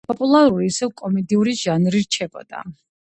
პოპულარული ისევ კომედიური ჟანრი რჩებოდა.